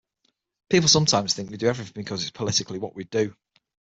People sometimes think we do everything because it's politically what we do.